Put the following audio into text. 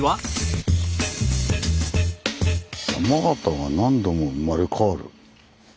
「山形は何度も生まれ変わる？」。